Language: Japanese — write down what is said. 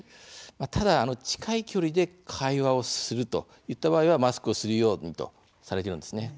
ただ、近い距離で会話をするといった場合はマスクをするようにとされているんですね。